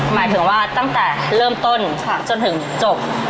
หมายถึงว่าตั้งแต่เริ่มต้นจนถึงจบ